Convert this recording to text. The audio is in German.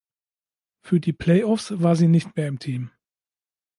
Für die Playoffs war sie nicht mehr im Team.